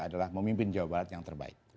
adalah memimpin jawa barat yang terbaik